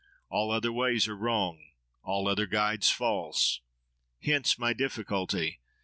All other ways are wrong, all other guides false. Hence my difficulty!